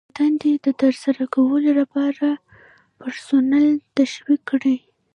د دندې د ترسره کولو لپاره پرسونل تشویق کړئ.